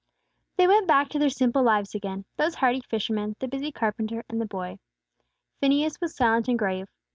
THEY went back to their simple lives again, those hardy fishermen, the busy carpenter, and the boy. Phineas was silent and grave.